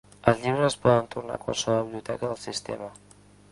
Els llibres es poden tornar a qualsevol biblioteca del sistema.